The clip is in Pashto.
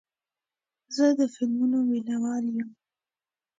زه د فلمونو مینهوال یم.